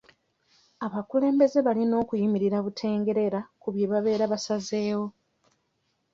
Abakulembeze balina okuyimirira butengerera ku bye babeera basazeewo.